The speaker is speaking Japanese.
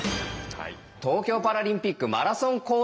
東京パラリンピックマラソンコース